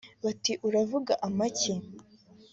bati "Uravuga amaki